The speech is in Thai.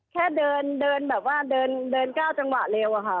แค่เดินเดินแบบว่าเดินก้าวจังหวะเร็วอะค่ะ